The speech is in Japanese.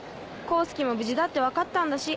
功介も無事だって分かったんだし。